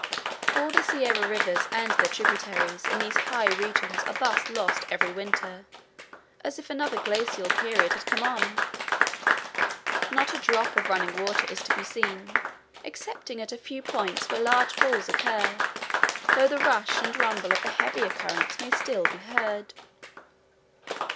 All the Sierra rivers and their tributaries in these high regions are thus lost every winter, as if another glacial period had come on. Not a drop of running water is to be seen excepting at a few points where large falls occur, though the rush and rumble of the heavier currents may still be heard.